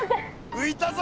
ういたぞ！